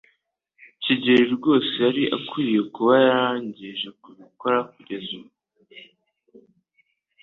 Kigeri rwose yari akwiye kuba yarangije kubikora kugeza ubu.